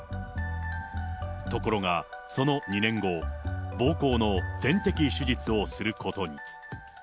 ところが、その２年後、ぼうこうの全摘手術をすることに。